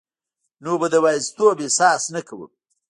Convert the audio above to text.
نو به د یوازیتوب احساس نه کوم